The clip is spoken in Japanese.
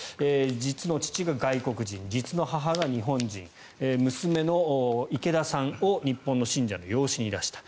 実の父が外国人、実の母が日本人娘の池田さんを日本の信者の養子に出した。